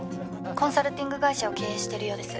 コンサルティング会社を経営してるようです。